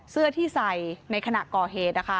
เสื้อที่ใส่ในขณะก่อเหตุนะคะ